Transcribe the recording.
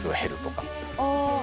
あ。